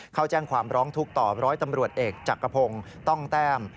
เข้าแจ้งความร้องทุกข์ต่อร้อยตำรวจเอกจักรพงศ์ต้องแต้ม